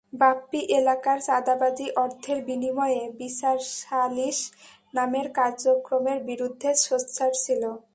বাপ্পী এলাকার চাঁদাবাজি, অর্থের বিনিময়ে বিচার-সালিস নামের কার্যক্রমের বিরুদ্ধে সোচ্চার ছিল।